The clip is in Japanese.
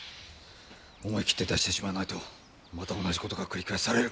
思い切って出してしまわないとまた同じことが繰り返される。